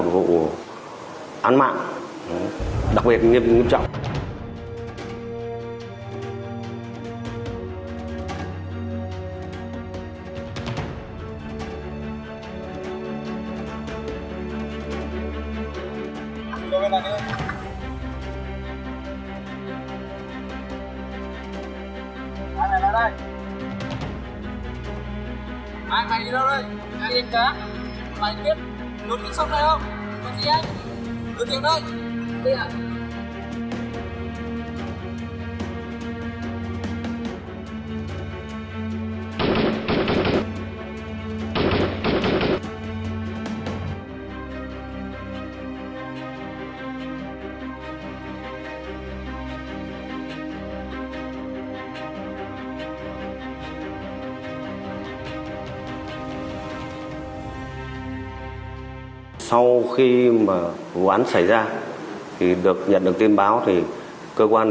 thuộc địa bàn của